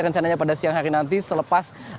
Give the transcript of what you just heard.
rencananya pada siang hari nanti selepas